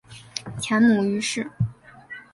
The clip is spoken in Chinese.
前母俞氏。